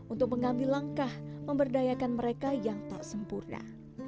untuk mengambil langkah memberdayakan mereka yang tak sempurna